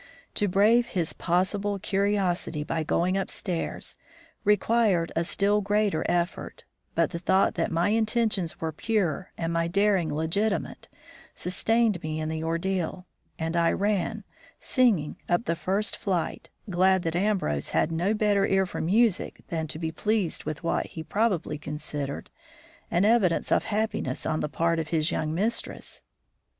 To brave his possible curiosity by going up stairs, required a still greater effort; but the thought that my intentions were pure and my daring legitimate, sustained me in the ordeal, and I ran, singing, up the first flight, glad that Ambrose had no better ear for music than to be pleased with what he probably considered an evidence of happiness on the part of his young mistress.